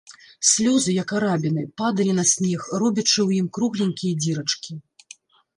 Слёзы, як арабіны, падалі на снег, робячы ў ім кругленькія дзірачкі.